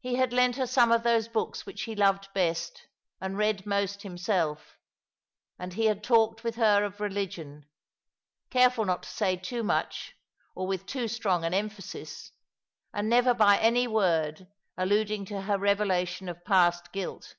He had lent her some of those books which he loved best and read most himself, and he had talked with her of religion, careful not to say too much or with too strong an emphasis, and never by any word alluding to her revelation of past guilt.